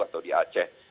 atau di aceh